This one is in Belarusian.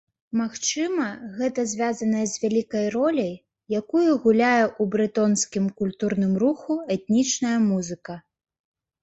Магчыма, гэта звязаная з вялікай роляй, якую гуляе ў брэтонскім культурным руху этнічная музыка.